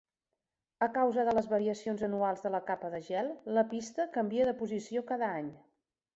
A causa de les variacions anuals de la capa de gel, la pista canvia de posició cada any.